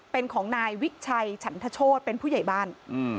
เป็นของนายวิชัยฉันทโชธเป็นผู้ใหญ่บ้าน